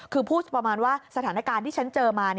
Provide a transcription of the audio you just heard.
คือพูดประมาณว่าสถานการณ์ที่ฉันเจอมา